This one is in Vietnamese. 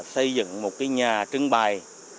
xây dựng một cái nhà trưng bài